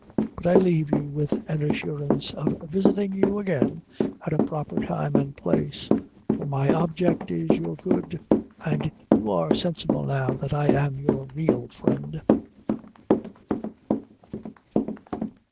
But I leave you with an assurance of visiting you again at a proper time and place; for my object is your good, and you are sensible now that I am your real friend.